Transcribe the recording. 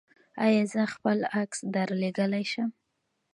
ایا زه خپل عکس درلیږلی شم؟